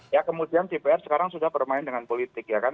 ya kemudian dpr sekarang sudah bermain dengan politik ya kan